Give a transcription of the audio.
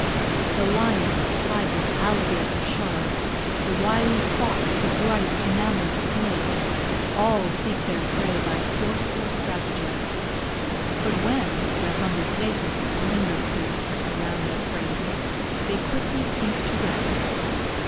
The lion, tiger, alligator, shark The wily fox, the bright enamelled snake All seek their prey by force or stratagem; But when their hunger sated languor creeps Around their frames, they quickly sink to rest.